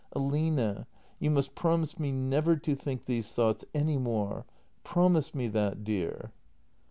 ] Aline — you must promise me never to think these thoughts any more. — Promise me that, dear!